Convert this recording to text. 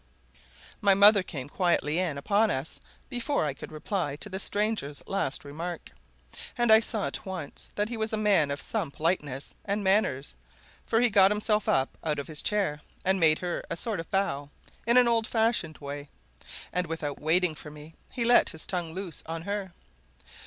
My mother came quietly in upon us before I could reply to the stranger's last remark, and I saw at once that he was a man of some politeness and manners, for he got himself up out of his chair and made her a sort of bow, in an old fashioned way. And without waiting for me, he let his tongue loose on her.